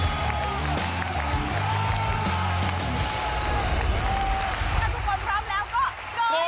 ถ้าทุกคนพร้อมแล้วก็เจอ